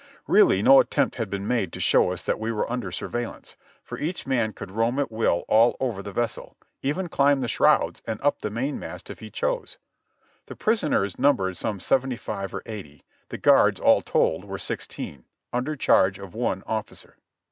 Really no attempt had been made to show us that we were under surveillance, for each man could roam at will all over the vessel, even climb the shrouds and up the main mast if he chose. The prisoners numbered some seventy five or eighty; the guards all told were sixteen, under charge of one officer.